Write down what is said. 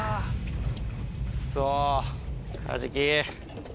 くそ、カジキ。